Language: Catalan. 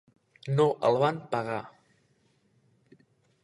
No el van pagar.